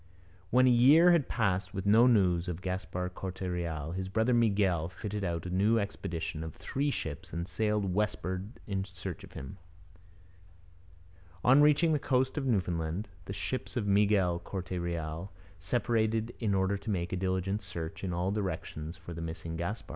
When a year had passed with no news of Gaspar Corte Real, his brother Miguel fitted out a new expedition of three ships and sailed westward in search of him. On reaching the coast of Newfoundland, the ships of Miguel Corte Real separated in order to make a diligent search in all directions for the missing Gaspar.